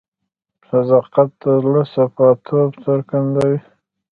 صداقت د زړه صفا توب څرګندوي.